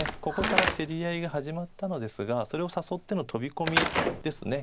ここから競り合いが始まったのですがそれを誘っての飛び込みです。